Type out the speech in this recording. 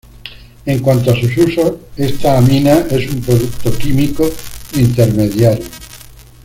En cuanto a sus usos, esta amina es un producto químico intermediario.